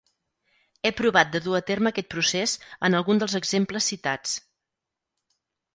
He provat de dur a terme aquest procés en algun dels exemples citats.